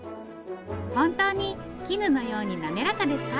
本当に絹のようになめらかですか？